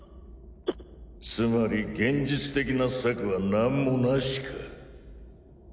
つまり現実的な策は何もなしか。